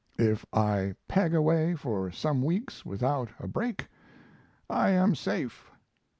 If I peg away for some weeks without a break I am safe.